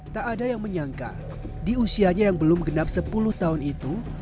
tak ada yang menyangka di usianya yang belum genap sepuluh tahun itu